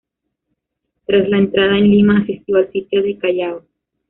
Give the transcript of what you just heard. Tras la entrada en Lima, asistió al sitio del Callao.